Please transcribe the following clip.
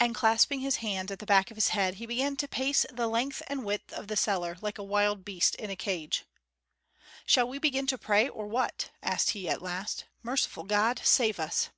And clasping his hands at the back of his head, he began to pace the length and width of the cellar, like a wild beast in a cage. "Shall we begin to pray, or what?" asked he at last. "Merciful God, save us!"